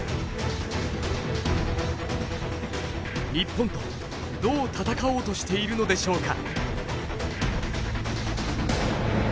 日本とどう戦おうとしているのでしょうか？